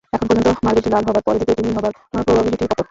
এখন প্রথম মার্বেলটি লাল হবার পরে দ্বিতীয়টি নীল হবার প্রবাবিলিটি কত?